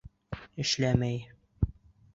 Эшләмәй...